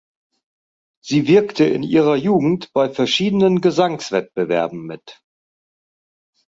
Sie wirkte in ihrer Jugend bei verschiedenen Gesangswettbewerben mit.